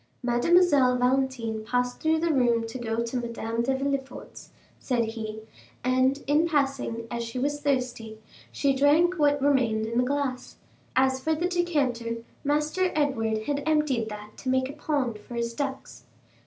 "Mademoiselle Valentine passed through the room to go to Madame de Villefort's," said he; "and in passing, as she was thirsty, she drank what remained in the glass; as for the decanter, Master Edward had emptied that to make a pond for his ducks."